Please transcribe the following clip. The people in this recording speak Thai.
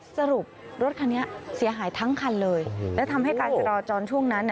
สรุปรถคันนี้เสียหายทั้งคันเลยและทำให้การจราจรช่วงนั้น